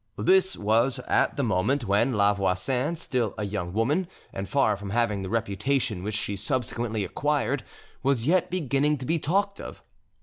This was at the moment when la Voisin, still a young woman, and far from having the reputation which she subsequently acquired, was yet beginning to be talked of.